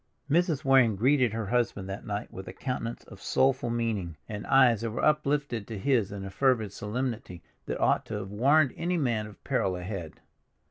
Mrs. Waring greeted her husband that night with a countenance of soulful meaning, and eyes that were uplifted to his in a fervid solemnity that ought to have warned any man of peril ahead.